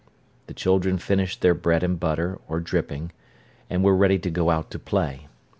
The children finished their bread and butter, or dripping, and were ready to go out to play.